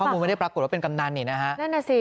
มุมไม่ได้ปรากฏว่าเป็นกำนันนี่นะฮะนั่นน่ะสิ